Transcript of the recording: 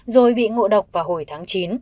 rồi bị ngộ độc vào hồi tháng chín